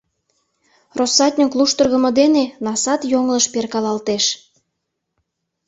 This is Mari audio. Россатньык луштыргымо дене насат йоҥылыш перкалалтеш.